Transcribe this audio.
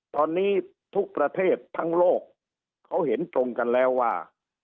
ตอนนี้ทุกประเทศทั้งโลกเขาเห็นตรงกันแล้วว่า